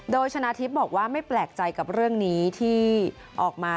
โดยชนะทิพย์บอกว่าไม่แปลกใจกับเรื่องนี้ที่ออกมา